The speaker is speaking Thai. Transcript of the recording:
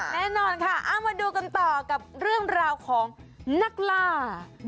แน่นอนค่ะเอามาดูกันต่อกับเรื่องราวของนักล่า